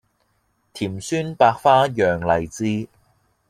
甜酸百花釀荔枝